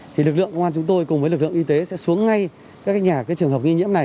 thì lực lượng công an chúng tôi cùng với lực lượng y tế sẽ xuống ngay các nhà cái trường hợp ghi nhiễm này